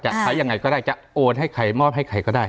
ใช้ยังไงก็ได้จะโอนให้ใครมอบให้ใครก็ได้